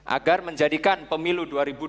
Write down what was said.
agar menjadikan pemilu dua ribu dua puluh